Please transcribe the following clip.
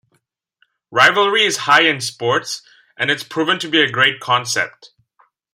Rivalry is high in sports and its proven to be a great concept.